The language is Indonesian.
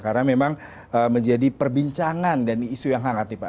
karena memang menjadi perbincangan dan isu yang hangat nih pak